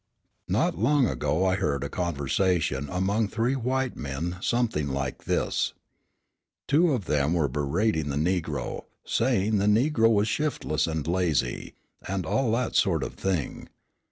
Not long ago I heard a conversation among three white men something like this. Two of them were berating the Negro, saying the Negro was shiftless and lazy, and all that sort of thing.